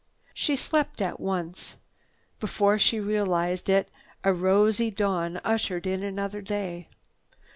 Sleep came at once. Before she realized it a rosy dawn ushered in another day.